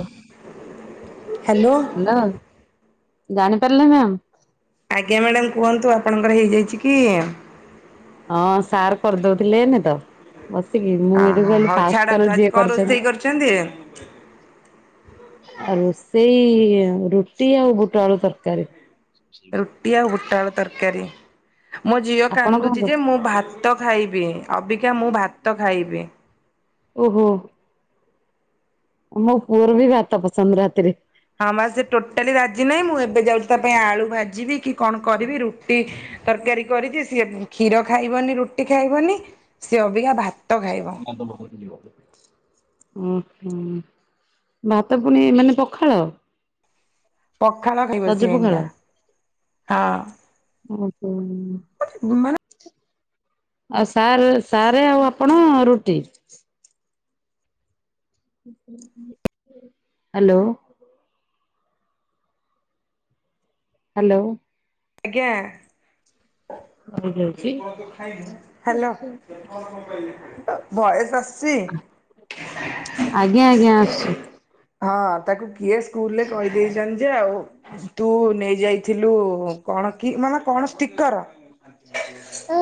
ଓ hello hello ଜାଣିପାରିଲେ ma'am? ଆଜ୍ଞା madam କୁହନ୍ତୁ ଆପଣଙ୍କର ହେଇଯାଇଛି କି? ଅଁ ସାର୍ କରିଦଉଥିଲେ ଏଇନେ ତ। ବସିକି ମୁଁ ଏଠୁ ଅହ କହିଲି ହଉ ଫାଷ୍ଟ ଛାଡ଼ନ୍ତୁ କଲ ଆଜି ଯିଏ କଣ ରୋଷେଇ କରିଛନ୍ତି ଆଉ ରୋଷେଇ ରୁଟି ଆଉ ବୁଟ ଆଳୁ ତରକାରୀ। ଟି ଆଉ ଫୁଟ ଆଳୁ ତରକାରୀ ମୋ ଝିଅ ଆପଣ କଣ କାନ୍ଦୁଛି ଯେ କରୁଛନ୍ତି? ମୁଁ ଭା ତ ଖାଇବି ଅବିକା ମୁଁ ଭାତ ଖାଇବି। ଓହୋ। ମୋ ପୁଅର ବି ଭାତ ପସନ୍ଦ ରାତିରେ। ହଁ ବା ସେ ଟୋଟାଲି ରାଜି ନାହିଁ ମୁଁ ଏବେ ଯାଉଛିି ତା ପାଇଁ ଆଳୁ ଭାଜିବି କି କଣ କରିବି ରୁଟି ତରକାରୀ କରିଛି ସିଏ କ୍ଷୀର ଖାଇବନି ରୁଟି ଖାଇବନି ସିଏ ଅବିକା ଭା [unintelligible] ଯିବ। ଉଁ ହୁଁ ଭାତ ପୁଣି ମାନେ ପଖାଳ? ପଖାଳ ଖାଇବ ସଜ ସିଏ ପଖାଳ। ଏଇନିକା ହଁ। ହୁଁ। ଉଁ ମାନେ ଆଉ ସାର୍ ସାର୍ ଆଉ ଆପଣ ରୁଟି? [unintelligible] ହ୍ୟାଲୋ। ହ୍ୟାଲୋ। ଆଜ୍ଞା? ରହିଯାଉଛି ହ୍ୟାଲୋ ଭୟସ ସିଏ ଆଜ୍ଞା ଆଜ୍ଞା ଆସୁଛି। ହଁ ତାକୁ କିଏ ସ୍କୁଲ ଲେ କହିଦେଇଛନ୍ତି ଯେ ଆଉ ତୁ ନେଇ ଯାଇଥିଲୁ କଣ କି ମା ମା କଣ ଷ୍ଟିକର। ଉ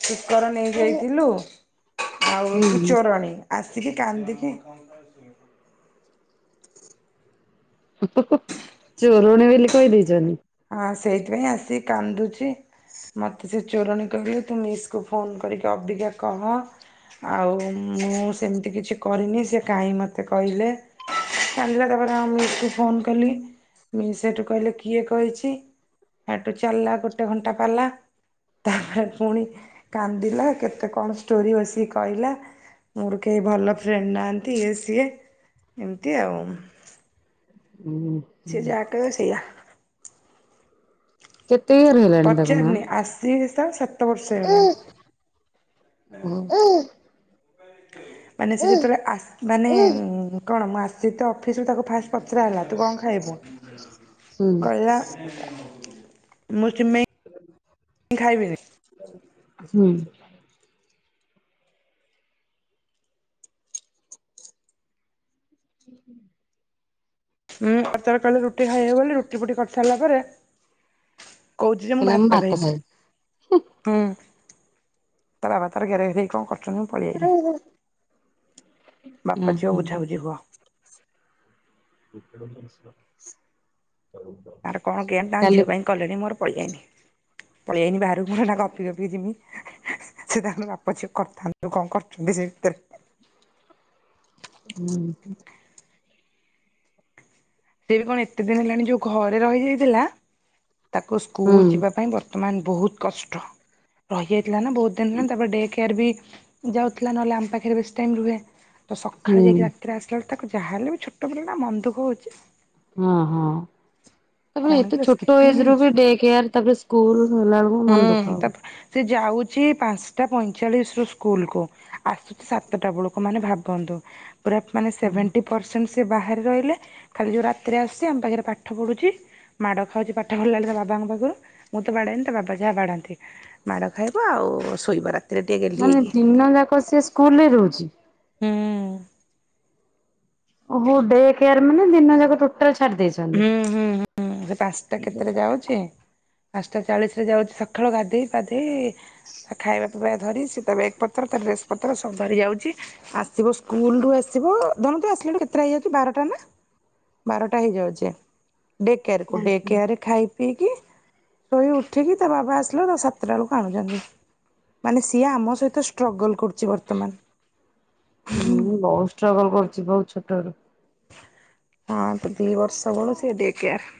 ଷ୍ଟିକର ନେଇ ଯାଇଥିଲୁ ଆଉ ହୁଁ ତୁ ଚୋରଣୀ ଆସିକି କାନ୍ଦିକି ହୁଁ ହୁଁ ହୁଁ ଚୋରଣି ବେଲି କହିଦେଇଛନ୍ତି। ଆଁ ସେଇଥିପାଇଁ ଆସି କାନ୍ଦୁଛି। ମୋତେ ସେ ଚୋରଣି କହିଲେ ତୁ ମିସ୍ କୁ ଫୋନ୍ କରିକି ଅବିକା କହ ଆଉ ମୁଁ ସେମିତି କିଛି କରିନି ସେ କାହିଁ ମୋତେ କହିଲେ। କାନ୍ଦିଲା ତାପରେ ତାଙ୍କ ମିସ୍ କୁ ଫୋନ କଲି ମିସ୍ ସେଠୁ କହିଲେ କିଏ କହିଛି? ଚି ହେଟୁ ଚାଲିଲା ଗୋଟେ ଘଣ୍ଟା ପାଲା। ତାପରେ ପୁଣି କାନ୍ଦିଲା କେତେ କଣ ଷ୍ଟୋରି ବସିକି କହିଲା। ମୋର କେହି ଭଲ ଫ୍ରେଣ୍ଡ ନାହାଁନ୍ତି ଇଏ ସିଏ ଏମିତି ଆଉ। ଉଁ। ସେ ଯା କହିବ ସେୟା। କେତେ ଇୟର ହେଲା? ପଚାରିନି ଆସି ତ ସାତ ବର୍ଷ ହେଇଗଲାଣି। ଓହୋ। ମାନେ ସେ ଯେତେବେଳେ ଆସ ମାନେ କଣ ମୁଁ ଆସିଛି ତ ଅଫିସରୁୁ ତାକୁ ଫାଷ୍ଟ ପଚରା ହେଲା ତୁ କଣ ଖାଇବୁ ହୁଁ କହିଲା ମୁଁ ସିମେଇ ଖାଇବିନି। ହୁଁ। [unintelligible] ହୁଁ ଅଚାର କହିଲେ ରୁଟି ଖାଇବେ ବୋଲି ରୁଟି ଫୁଟି କରିସାରିଲା ପରେ କହୁଛି ଯେ ମୁଁ ଭାତ ଖାଇମି ହୁଁ। ତା ବା ତରେ କଣ କର। ପଳେଇଆାଇଲି ଉଁ ବାପା ଝିଅ ହୁଁ ବୁଝାବୁଝି ହୁଅ। ତାର କଣ କେଆଣି ତାଙ୍କ ଝିଅ କାଲି। ପାଇଁ କଲେଣି ମୋର ପଳେଇଆାଇନି ପଳେଇଆାଇନି ବାହାରୁକୁ ମୋର ନା କପି ଗପି ଯିମି ସେ ତାଙ୍କର ବାପା ପଛ କରିଥାନ୍ତୁ କଣ କରୁଛନ୍ତି ସେ ଭିତରେ ହୁଁ। ସେ ବି କଣ ଏତେ ଦିନ ହେଲାଣି ଯୋଉ ଘରେ ରହିଯାଇଥିଲା ତାକୁ ହୁଁ ସ୍କୁଲ ଯିବା ପାଇଁ ବର୍ତ୍ ତ ମ ବହୁତ କଷ୍ଟ ରହିଯାଇଥିଲା ନା ବହୁତ ଦିନ ହେଲା ତାପରେ ଡେ କେୟାର ବି ଯାଉଥିଲା ନହେଲେ ଆମ ପାଖରେ ବେସି ଟାଇମ୍ ରୁହେ। ତ ହୁଁ ସକାଳେ ଯାଇକି ରାତିରେ ଆସ ଯେତେବେଳେ ତାକୁ ଯାହା ହେଲେ ବି ଛୋଟ ପିଲା ମନ ଦୁଃଖ ହଉଛି। ହଁ ହଁ ତାପରେ କଣ ଏତେ କିଲୋ ଛୋଟ ସ୍କିପିଙ୍ଗ ଏଜ ରୁ ଆଣିଛୁ? ବି ଡେ କେୟ ତାପରେ ସ୍କୁଲ ହେଲା। ବେଳକୁ ହୁଁ ମନ ଦୁଃଖ ହବ। ତାପ ସେ ଯାଉଛି ପାଞ୍ଚଟା ପଇଁଚାଳିଶ ରୁ ସ୍କୁଲ କୁ ଆସ ସାତଟା ବେଳ ମାନେ ଭାବନ୍ତୁ ମାନେ ପୁରା ସେବେଣ୍ଟି ପରସେଣ୍ଟ ସେ ବାହାରେ ରହିଲେ ଖାଲି ଯଉ ରାତିରେ ଆସୁଛି ଆମ ପାଖରେ ପାଠ ପଢ଼ୁଛି। ମାଡ ଖାଉଛି ପାଠ ପଢିଲା ବେଳେ ତା ବାବାଙ୍କ ପାଖରୁ ମୁଁ ତ ବାଡେନି ତା ବା ପା ଜା ବାଢାନ୍ତି ମାଡ଼ ଖାଇବ ଆଉ ଶୋଇବ ରାତି। ମାନେ ଦିନ ଯାକ ସେ ସ୍କୁଲ ରେ ରହୁଛି? ହୁଁ। ଓ ହୁ ଡେ କେୟାର ମାନେ ଦିନ ଜାକ ଟୁଟ ଟାଲ ଚାଡ଼ିଦେଇଛ। ହୁଁ ହୁଁ ହୁଁ ସେ ପାଞ୍ଚଟା କେତେରେ ଯାଉଛି। ପାଞ୍ଚଟା ଚାଳିଶ ରେ ଯାଉଛି ସକାଳୁ ଗାଧୋଇ ପାଧୋଇ ତା ଖାଇବା ଧରି ସେ ତାର ବ୍ୟାଗ୍ ପତ୍ର ତାର ଡ୍ରେସ ପତ୍ର ସବୁ ଧରିଯାଉଛି। ଆସିବ ସ୍କୁଲ ରୁ ଆସିବ ଧନ ତୁ ଆସିଲାଡୁ କେତେଟା ହେଇଯାଉଛି ବାରଟା ନା? ବାରଟା ହେଇଯାଉଛି। ଡେ କେଆର କୁ ଡେ କେଆରେ ଖାଇ ପିଇକି ଶୋଇ ଉଠିକି ତା ବାବା ଆସିଲା ବେଳୁ ସାତଟା ବେଳକୁ ଆଣୁଛନ୍ତି। ମାନେ ସିଏ ଆମ ସହିତ ଷ୍ଟ୍ରଗଲ୍ କରୁଛି ବର୍ତ୍ତ ହୁଁ ବହୁତ ଷ୍ଟ୍ରଗଲ କରୁଛି ବହୁତ ଛୋଟ ରୁ। ହଁ ଦି ବର୍ଷ ବେଳୁ ସେ ଡେ କେଆର।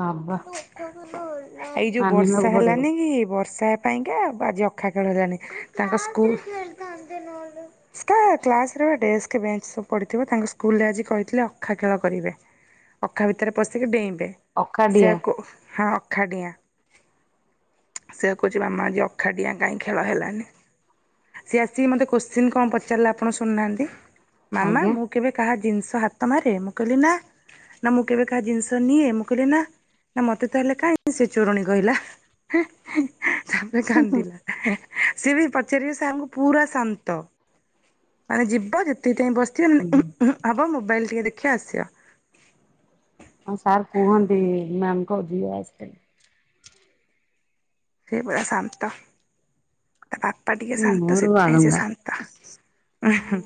ବା ବା। ଏଇ ଯୋଉ ବର୍ଷା ପଡିବ ହେଲାନି କି ବର୍ଷା ପାଇଁକା ଆଜି [unintelligible] ହେଲାଣି ତାଙ୍କ ସ୍କୁଲ [inaudible] ସ୍କା କ୍ଲାସ ରେ ପା ଡେସ୍କ ବେଞ୍ଚ ସବୁ ପଡିଥିବ ତାଙ୍କ ସ୍କୁଲରେ ଆଜି କହିଥିଲେ ଅଖା ଖେଳ କରିବେ। ଅଖା ଭିତରେ ପଶିକି ଡେଇଁବେ ଅଖାଡିଆ ସେଆକୁ ହଁ ଅଖା ଡିଆଁ। ସେଆକୁ କହୁଛି ମାମା ଆଜି ଅଖାଡିଆଁ କାହିଁ ଖେଳ ହେଲାନି? ସିଏ ଆସିକି ମତେ କୁସଚିନ୍ କଣ ପଚାରିଲା ଆପଣ ଶୁଣୁନାହାନ୍ତି ମାମା ଆଜ୍ଞା। ମୁଁ ମୁଁ କେବେ କାହା ଜିନିଷ ହାତ ମାରେ ମୁଁ କହିଲି ନା। ନା ମୁଁ କେବେ କାହା ଜିନିଷ ନିଏ ମୁଁ କହିଲି ନା। ନା ମତେ ତାହଲେ କାହିଁ ସେ ଚୋରଣୀ କହିଲା ତାପରେ ହୁଁ କାନ୍ଦିଲା। ସିଏ ବି ପଚାରିବ ସାର୍ ଙ୍କୁ ପୁରା ଶାନ୍ତ। ମାନେ ଯିବ ଯେତିକ ଟାଇମ ବସିଥିବ ହୁଁ। ମାନେ ହବ ମୋବାଇଲ ଟିକେ ଦେଖିବ ଆସିବ। ହଁ ସାର୍ କୁହନ୍ତି ମ୍ୟାଙ୍କ ଝିଅ ଆସିଥିଲେ। ସେ ପରା ଶାନ୍ତ ତା ବାପା ଟିକେ ଶାନ୍ତ ମୋର ସେଥିପାଇଁ ସେ ଆଳୁଙ୍ଗା। ଶାନ୍ତ। ଉ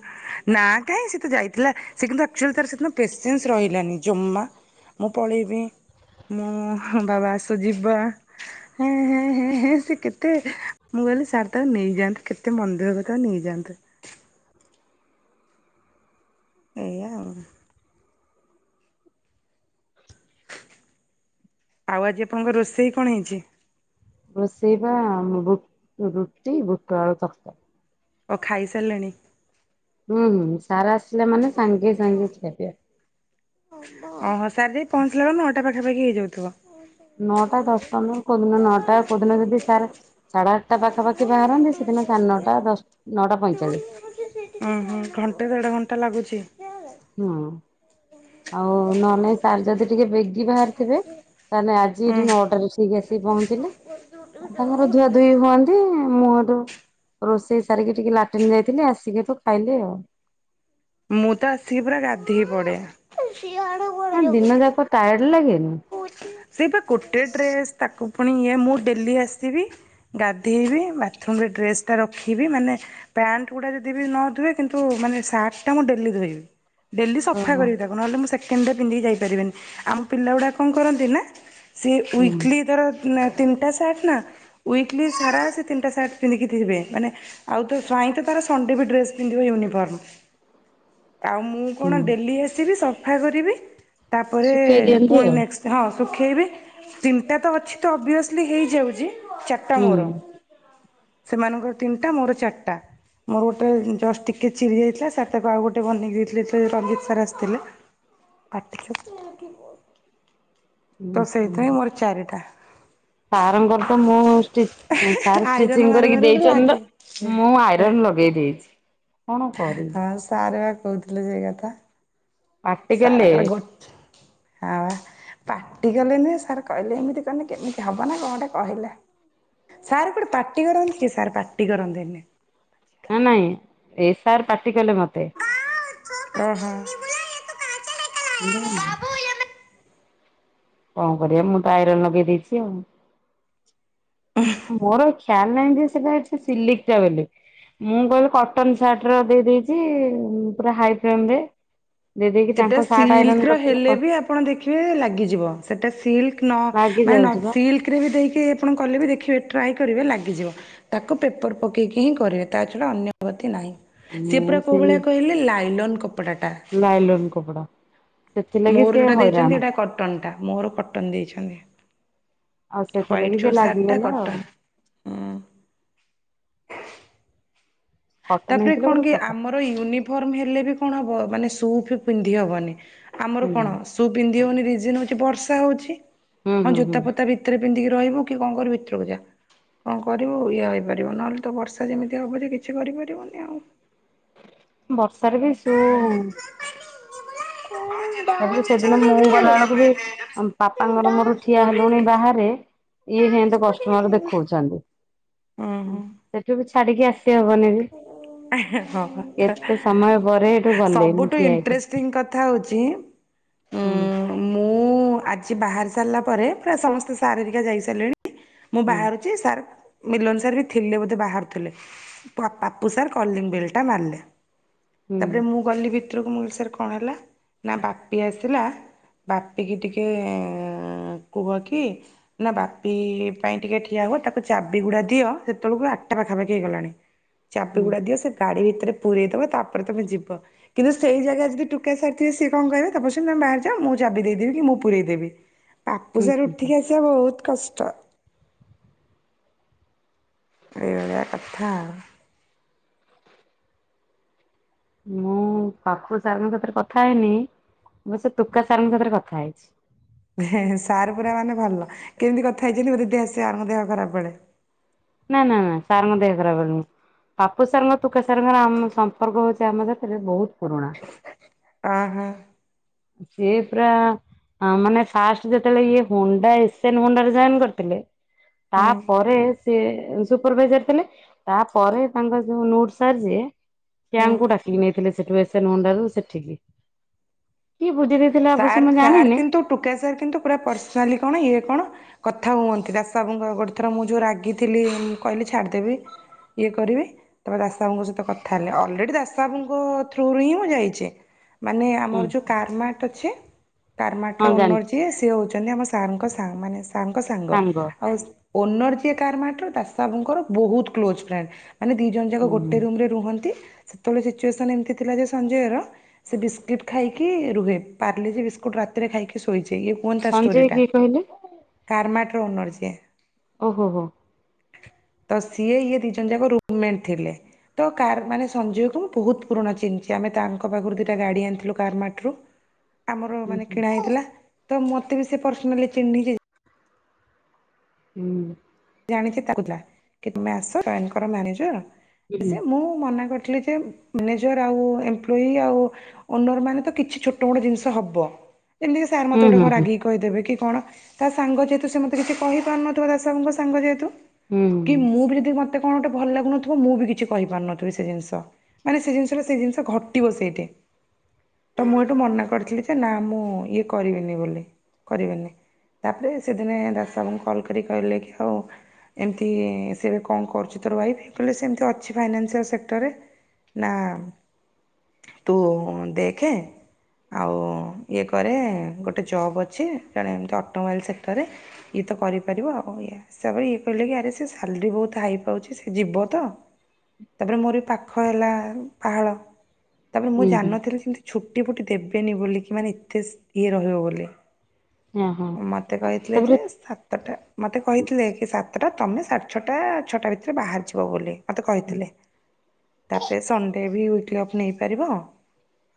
ନା କାହିଁ ସେ ତ ଯାଇଥିଲା। ସେ କିନ୍ତୁ ଆଚ୍ୟୁୟେଲି ତାର ସେଦିନ ପେସେନ୍ସ ରହିଲାନି ଜମା ମୁଁ ପଳେଇବି ମୁଁ ବାବା ଆସୁ ଯିବାଁ। ହେଁ ହେଁ ହେଁ ହେଁ ସେ କେତେ ମୁଁ କହିଲି ସାର୍ ତାକୁ ନେଇଯାଆନ୍ତୁ। କେତେ ମନଦୁଃଖ କରୁଥିବ ନେଇଯାଆନ୍ତୁ। ଏଇଆ ଆଉଁ। ଆଉ ଆଜି ଆପଣଙ୍କର ରୋଷେଇ କଣ ହେଇଛି? ରୋଷେଇ ବା ବୁ ରୁଟି ବୁଟ ଆଳୁ ତରକାରୀ। କଣ ଖାଇ ସାରିଲେଣି? ହୁଁ ହୁଁ ସାରା ଆସିଲେ ମାନେ ସାଙ୍ଗେ ସାଙ୍ଗେ ଖିଆ ପିଆ। ଓ ହୋ ସାର ଯାଇକି ପହଞ୍ଚିଲା ବେଳକୁ ନଅଟା ପାଖାପାଖି ହେଇଯାଉଥିବ। ନଅଟା ଦଶ ପନ୍ଦର କେଉଁଦିନ ନଅଟା କେଉଁଦିନ ଯଦି ସାର୍ ସାଢେ ଆଠଟା ପାଖାପାଖି ବାହାରନ୍ତି ସେଦିନ ସାଢେ ନଅଟା ଦଶ ନଅଟା ପଇଁଚାଳିଶ। ହଁ ହଁ ଘଣ୍ଟେ ଦେଢ ଘଣ୍ଟା ଲାଗୁଛି। ହଁ। ଆଉ ନହେଲେ ନାଇଁ ସାର୍ ଯଦି ଟିକେ ବେଗି ବାହାରିଥିବେ ତାହେଲେ ଆଜି ଉଁ ଏଠିଁ ନଅଟାରେ ଆସି ଏଠିକି ଆସିକି ପହଞ୍ଚିଲେ ତାଙ୍କର ଧୁଆ ଧୁଇ ହୁଅନ୍ତୀ। ମୁଁ ହେଠୁ ରୋଷେଇ ସାରିକି ଟିକେ ଲାଟିନ୍ ଯାଇଥିଲି। ଆସିକି ତ ଖାଇଲି ଆଉ। ମୁଁ ତ ଆସିକି ପୁରା ଗାଧେଇ ପଡେ। ଏଁ ସିଆଡେ ଗୋ ନାଁ ଦିନ ଯାକ ଟାୟାର୍ଡ ଲାଗେନି। ସିଏ ପା ଗୋଟେ ଡ୍ରେସ୍ ତାକୁ ପୁଣି ଇଏ ମୁଁ ଡେଲି ଆସିବି। ଗାଧେଇବି ବାଥରୁମ୍ରେ ଡ୍ରେସ ଟା ରଖିବି ମାନେ ପ୍ୟାଣ୍ଟ ଗୁଡା ଯଦି ବି ନ ଧୁଏ କିନ୍ତୁ ମାନେ ସାର୍ଟ ଟା ମୁଁ ଡେଲି ଧୋଇବି ଡେଲି ସଫା ଓହୋ କରିବି ତାକୁ। ନ ହେଲେ ମୁଁ ସେକେଣ୍ଡ ରେ ପିନ୍ଧିକିଯାଇ ପାରିବିନି। ଆମ ପିଲା ଗୁଡା କଣ କରନ୍ତି ନାଁ? ସେ ହୁଁ ୱକିଲି ତାର ଉଁ ତିନିଟା ସାର୍ଟ ନାଁ। ୱକିଲି ସାରା ସେ ତିନିଟା ସାର୍ଟ ପିନ୍ଧିକି ଥିବେ ମାନେ ଆଉ ତୋ ଜ୍ୱାଇଁ ତାର ସନଣ୍ଡେ ବି ଡ୍ରେସ ପିନ୍ଧିବେ ୟୁନିଫର୍ମ। ଆଉ ମୁଁ ହୁଁ କଣ ଡେଲି ଆସିବି ସଫା କରିବି ତାପରେ ଶୁଖେଇ ଦିଅନ୍ତି ପୁଣି ଆଉ ନେଷ୍ଟ ହଁ ଶୁଖେଇବି ତିନିଟା ତ ଅଛି ତ ଅଭିଅସିଲି ହେଇଯାଉଛି ଚାରିଟା ହୁଁ। ମୋର। ସେମାନଙ୍କର ତିନିଟା ମୋର ଚାରିଟା ମୋର ଗୋଟେ ଜଷ୍ଟ ଟିକେ ଚିରି ଯାଇଥିଲା। ତାକୁ ଆଉ ଗୋଟେ ବନେଇ ଦେଇଥିଲେ ଯେତେବେଳେ ରଞ୍ଜିତ ସାର୍ ଆସିଥିଲେ ପାଟିଚୁ ହୁଁ ତ ସେଇଥି ପାଇଁ ମୋର ଚାରିଟା। ସାରଙ୍କରତ ମୋର ଷ୍ଟି ସାର ଆଇରନ୍ ମାରୁ ଷ୍ଟିଚିଙ୍ଗିକରିକି ମାରୁ ଗୋଟେ ଦେଇଛନ୍ତି ଲାଗେ ତ। ମୁଁ ଆଇରନ୍ ଲଗେଇ ଦେଇଚି। ହଁ ସାର୍ ବା କହୁଥିଲେ ସେଇ କଥା ପାଟି କଲେ ସାରଙ୍କର ଗୋଟେ ହାଁ ବା। ପାଟିକଲେବି ସାର୍ କହିଲେ ଏମିତି କଲେ କେମିତି ହବ ନାଁ କଣଟେ କହିଲା। ସାରେ କୋଉଠିଁ ପାଟି କରନ୍ତି କି ସାର୍ ପାଟି କରନ୍ତି ନି। ହଁ ନାଇଁ ସେଇ ସାର୍ ପାଟି କଲେ ମୋତେ। ଆଁ ଚୌପଟି ଯିବୁ ନା ଓ ହୋ। ଗୋଡ ବନା। କଣ କରିବା ମୁଁ ତ ଆଇରନ୍ ଲଗେଇ ଦେଇଚି। ଆଉଁ ମୋର ଆଉଁ ଖ୍ୟାଲ ନାହିଁ ଯେ ସେଟା ଏତେ ସିଲିକ ଟା ବୋଲି। ମୁଁ କହିବି କଟନ ସାର୍ଟ ର ଦେଇଦେଇଚି ପୁରା ହାଇଫେମ୍ ରେ। ଦେଇ ଦେଇକି ସେଟା ତାଙ୍କ ସାର୍ଟ ସିଲ୍କ ଆଇରନ୍ ର କରିଥିଲା ହେଲେ କଣ? ବି ଆପଣ ଦେଖିବେ ଲାଗିଯିବ ସେଟା ସିଲିକି ନ ଲାଗି ମାନେ ନ ନ ଯାଉଛି ବା ସିଲିକି [unintelligible] ଟିକରେ ବି ଦେଇକି ଆପଣ କଲେ ବି ଦେଖିବେ ଟ୍ରାଏ କରିବେ ଲାଗିଯିବ। ତାକୁ ପେପର ପକେଇକି ହିଁ କରିବେ ତା ଛଡା ଅନ୍ୟ ଗତି ନାହିଁ। ସେ ମୁଁ ପୁରା କୋଉ ସେଇ ଭଳିଆ କହିଲେ ଲାଇଲନ୍ କପଡା ଟା। ଲାଇଲନ କପଡ଼ା। ମୋର ଯୋଉଟା ଦେଇଛନ୍ତି, ସେଇଟା କଟନଟା ମୋର କଟନ ଦେଇଛନ୍ତି। ଆଉ ସେଥିଲାଗି ହ୍ୱାଇଟ ସେ ଜୋ ସାର୍ଟ ଲାଗିଗଲା କଟ ଆଉ କଟନ ତାପରେ ହେଇଥିଲେ କଣ ଗୋଟେ କି ପ୍ରକାର ଆମ ୟୁନିଫର୍ମ ହେଲେ ବି କଣ ହବ ମାନେ ସୁଫୁ ପିନ୍ଧି ହବନି, ଆମର ହୁଁ କଣ ଶୁ ପିନ୍ଧିବୁନି ରିଜନ ହଉଚି ବର୍ଷା ହଉଚି ହୁଁ ହଁ ହୁଁ ହୁଁ ଜୋତା ଫୋତା ବି ଭିତରେ ପିନ୍ଧିକି ରହିବ କି କଣ କରିବ ଭିତରକୁ ଯା। କଣ କରିବୁ ଇଏ ହେଇପାରିବ, ନହେଲେ ତ ବର୍ଷା ଯେମିତି ହବ ଯେ କିଛି କରିପାରିବନି ଆଉ। ବର୍ଷାରେ ବି ସୁ ହଁ। [unintelligible] ତାପରେ ସେଦିନ ମୁଁ ଗଲାବେଳକୁ ବି ଆମ୍ ପାପାଙ୍କର ମୋର ଠିଆ ହେଲୁଣି ବାହାରେ ଇଏ ହେନ୍ତ କଷ୍ଟମର ଦେଖଉଛନ୍ତି। ସେଠୁ ବି ଛାଡିକି ଆସିହବନି ବି। ଓହୋ। ଏତେ ସମୟ ପରେ ସେଠୁ ଗଲେ ମୁଁ ସବୁଠୁ ଠିଆ ଇଣ୍ଟରେଷ୍ଟିଂ ହେଇକି କଥା ହେଉଚି। ହୁଁ। ମୁଁ ଆଜି ବାହାରି ସାରିଲା ପରେ, ପୁରା ସମସ୍ତେ ସାର୍ ଘରିକା ଯାଇସାରିଲେଣି। ମୁଁ ହୁଁ ବାହାରୁଚି ସାର୍ ମିଲନ ସାର୍ ବି ଥିଲେ ବୋଧେ ବାହାରୁଥୁଲେ। ପ ପାପୁ ସାର୍ କଲିଙ୍ଗବେଲ୍ ଟା ମାଲେ, ହୁଁ ତାପରେ ମୁଁ ଗଲି ଭିତୁରୁକୁ ମୁଁ କଇଲି ସାର୍ କଣ ହେଲା, ନା ବାପି ଆସିଥିଲା ବାପିିକି ଟିକେ ଅଁ କୁହ କି? ନା ବାପି ପାଇଁ ଟିକେ ଠିଆ ହୁଅ ତାକୁ ଚାବି ଗୁଡ଼ା ଦିଅ, ସେତେଏଳୁକୁ ଆଟ୍ ଟା ପାଖାପାଖି ହେଇଗଲାଣି। ଚାପି ହୁଁ ଗୁଡା ଦିଅ ସେ ଗାଡି ଭିତରେ ପୁରେଇ ଦବ, ତାପରେ ତମେ ଯିବ। କିନ୍ତୁ ସେଇ ଜାଗା ରେ ଯଦି ଟୁକା ସାର୍ ଥିବେ, ସିଏ କଅଁ କହିବେ ତପସ୍ୱୁନୀ ତମେ ବାହାରି ଯାଅ, ମୁଁ ଚାବି ଦେଇଦେବି, କି ମୁଁ ପୁରୀଇ ଦେବି। [inaudible] ପାପୁ ସାର୍ ହୁଁ ଉଠିକି ଆସିବା ବୋହୁତ୍ କଷ୍ଟ। ଏଇବଳିଆ କଥା ଆଉ। ମୁଁ ପାଖୁ ସାର୍ ଙ୍କ ସହିତ କଥା ହେଇନି, ମୁ ସେ ତୁକା ସାର୍ ଙ୍କ ସାଥିରେ କଥା ହେଇଛି। ହେ ସାର୍ ପୁରା ମାନେ ଭଲ, କେମ୍ତି କଥା ହେଇଛନ୍ତି ମୋ ଦିଦି ଆସିଆ ମୋ ଦେହ ଖରାପ୍ ବେଳେ। ନା ନା ନା ସାର୍ ଙ୍କ ଦେହ ଖରାପ ହେଇନି। ପାପୁ ସାର୍ ଙ୍କ ତୁକା ସାର୍ ଙ୍କର ଆମ ସମ୍ପର୍କ ହୋଉଛି ଆମ ସେଥିରେ ବୋହୁତ ପୁରୁଣା। ଅଁ ହଁ। ସେ ପୁରା। ହଁ ମାନେ ଫାଷ୍ଟ ଯେତେବେଳେ, ଇଏ ହୁଣ୍ଡା ଏସ୍ ଏନ୍ ହୁଣ୍ଡା ରେ ଜଏନ୍ କରିଥିଲେ ତା ହୁଁ ପରେ ସ୍ ସେ ସୁପରଭାଇଜର୍ ଥିଲେ, ତାପରେ ତାଙ୍କ ଯୋଉ ନୁଟ୍ ସାର୍ ଯିଏ ହୁଁ କ୍ୟାଙ୍କ କୁ ଡା କି ନେଇଥିଲେ ସେଠୁ ଏସ୍ ଏନ୍ ହୁଣ୍ଡାରୁ ସେଠିକି, କିଏ ବୁଦ୍ଧି ଦେଇଥିଲା ଅବଶ୍ୟ ସାର୍ ମୁଁ ସାର୍ ଜାଣିନି କିନ୍ତୁ ଟୁକା ସାର୍ କିନ୍ତୁ ପୁରା ପର୍ସନାଲି କଣ ଇଏ କଣ କଥା ହୁଅନ୍ତି, ଦାସ ବାବୁଙ୍କ ଗୋଟେ ଥର ମୁଁ ଯୋଉ ରାଗିଥିଲି ମୁଁ କଇଲି ଛାଡ଼ିଦେବି ଇଏ କରିବି, ତାପରେ ଦାସ ବାବୁଙ୍କ ସ ତ କଥା ହେଲେ ଅଲରେଡି ଦାସ ବାବୁଙ୍କ ଥ୍ରୁରୁ ହିଁ ମୁଁ ଯାଇଛି, ମାନେ ହଁ ଆମର ଯୋଉ କାର୍ମା ଟଛି କର୍ମାଟ ହଁ ର ଓନର୍ ଜାଣିଛି ଯିଏ, ସିଏ ହୋଉଛନ୍ତି ଆମ ସାର୍ ଙ୍କ ସାଙ୍ଗ ମାନେ ସାର୍ ଙ୍କ ସା ତାଙ୍ଗ ସାଙ୍ଗ ଆଉ ସ୍ ଓନର ଯିଏ କାର୍ମାଟ ର, ଦାସ ବାବୁଙ୍କର ବୋହୁତ୍ କ୍ଲୋଜ୍ ଫ୍ରେଣ୍ଡ୍। ମାନେ ଦି ଜଣ ଯାକ ହୁଁ ଗୋଟେ ରୁମ୍ ରେ ରୁହନ୍ତି ସେତେବେଳେ ସିଚୁଏସନ୍ ଏମିତି ଥିଲା ଯେ ସଞ୍ଜୟର, ସେ ବିସ୍କିଟ୍ ଖାଇକି ରୁହେ। ପାର୍ଲିଜି ବିସ୍କୁଟ୍ ରାତିରେ ଖାଇକି ଶୋଇଛି ଇଏ କୁହନ୍ତି ତା ସଞ୍ଜୟ ଷ୍ଟୋରିଟା। କିଏ କହିଲେ? କାର୍ମାଟ୍ ର ଓନର ସିଏ। ଓ ହୋ ହୋ। ତ ସିଏ ଇଏ ଦିଇ ଜଣଯାକ ରୁମ୍ ମେଣ୍ଟ୍ ଥିଲେ। ତ କାର୍ ମାନେ ସଞ୍ଜୟକୁ ମୁଁ ବୋହୁତ୍ ପୁରୁଣା ଚିହ୍ନିଚି, ଆମେ ତାଙ୍କ ପାଖରୁ ଦିଇଟା ଗାଡ଼ି ଆଣିଥିଲୁ କାର୍ମାଟ୍ ରୁ। ଆମର ହୁଁ ମାନେ କିଣା ହେଇଥିଲା, ତ ମତେ ବି ସେ ପର୍ସନାଲି ଚିହ୍ନିଚି। ହୁଁ। ଜାଣିଛି ତାକୁ ଥିଲା, କି ତୁମେ ଆସ ଜଏନ କର ମ୍ୟାନେଜର୍ ହୁଁ ଯେ ମୁଁ ମନା କରିଥିଲି ଯେ, ମ୍ୟାନେଜର ଆଉ ଏମ୍ପ୍ଲଇ ଆଉ ଓନର ମାନେ ତ କିଛି ଛୋଟ ମୋଟ ଜିନିଷ ହବ ଯେମିତି କି ସାର୍ ମତେ ହୁଁ ଗୋଟେ ହୁଁ କଁ ହୁଁ ରାଗିକି କହିଦେବେ କି କଣ, ତା ସାଙ୍ଗ ଯେହେତୁ ସେ ମତେ କିଛି କହି ପାରୁନଥିବ ଦାସବାବୁଙ୍କ ସା ସାଙ୍ଗ ଯେହେତୁ, ହୁଁ ହୁଁ କି ମୁଁ ବି ଯେଦି ମତ୍ ତେ କଣ ଗୋଟେ ଭଲ୍ ଲାଗୁନଥିବ, ମୁଁ ବି କିଛି କହିପାରୁନଥିବି ସେ ଜିନଷ। ମାନେ ସେ ଜିନିଷରେ ସେ ଜିନିଷ ଘଟିବ ସେଇଠେ। ତ ମୁଁ ଏଇଠୁ ମନା କରିଥିଲି ଯେ ନା ମୁଁ ଇଏ କରିବିନି ବୋଲି କରିବିନି। ତାପରେ ସେଦିନେ ଦାସ ବାବୁଙ୍କୁ କଲ୍ କରି କଇଲେ କି [inaudible] ଏମତି ସିଏ ଏବେ କଅଁ କରୁଛି ତୋର ୱାଇଫ୍, କଇଲେ ସେ ଏମତି ଅଛି ଫାଇନାନ୍ସିଆଲ୍ ସେକ୍ଟରରେ। ନା ତୁ ଦେଖେ ଆଉ ଇଏ କରେ ଗୋଟେ ଜବ୍ ଅଛି, ଜଣେ ଏମିତି ଅଟୋମୋବାଇଲ୍ ସେକ୍ଟରରେ ଇଏ ତ କରିପାରିବ ଆଉ ଇୟେ ହିସାବରେ ଇଏ କହିଲେ କି ଆରେ ସେ ସାଲରି ବହୁତ୍ ହାଇ ପାଉଛି ସେ ଯିବ ତ? ତାପରେ ମୋର ବି ପାଖ ହେଲା ପାହାଳ ତାପରେ ମୁଁ ହୁଁ ହୁଁ ଜାଣିନଥିଲି ସେମତି ଛୁଟି ଫୁଟି ଦେବନି ବୋଲି କି ମାନେ ଏତେ ସ୍ ଇଏ ରହିବ ବୋଲି ହଁ ହଁ ମତେ କହିଥିଲେ ଯେ ତାପରେ ସାତଟା ମତେ କହିଥିଲେ କି ସାତଟା ତମେ ସାଢ଼େ ଛଅଟା ଛଅଟା ଭିତରେ ବାହାରିଯିବ ବୋଲି। ମତେ କହିଥିଲେ। ତାପରେ ସଣ୍ଡେ ବି [unintelligible] ଅଫ୍ ନେଇପାରିବ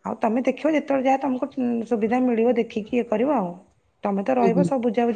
ଆଉ ତମେ ଦେଖିବ ଯେତେବେଳେ ଯାହା ତମକୁ ସୁବିଧା ମିଳିବ ଦେଖିକି ଇଏ କରିବ ଆଉ ତମେ ତ ହୁଁ ହୁଁ ରହିବ ସବୁ ବୁଝ୍